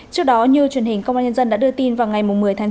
trước đó như truyền hình công an nhân dân đã đưa tin vào ngày một mươi tháng chín